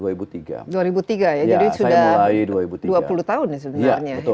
dua ribu tiga ya jadi sudah dua puluh tahun ya sebenarnya